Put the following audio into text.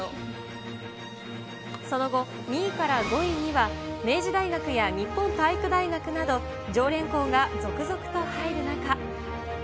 その後、２位から５位には明治大学や日本体育大学など、常連校が続々と入る中。